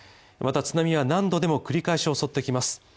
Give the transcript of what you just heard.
また津波は何度でも繰り返し襲ってきます。